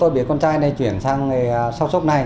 tôi biết con trai này chuyển sang nghề sáo trúc này